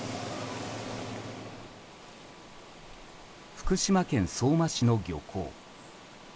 福島県相馬市の漁港。